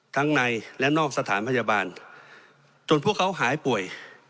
ทั้งในและนอกสถานพยาบาลจนพวกเขาหายป่วย